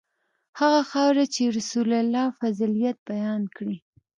هغه خاوره چې رسول الله فضیلت بیان کړی.